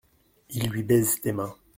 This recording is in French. Il lui baise tes mains.